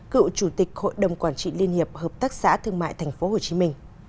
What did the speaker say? cựu chủ tịch hội đồng quản trị liên hiệp hợp tác xã thương mại tp hcm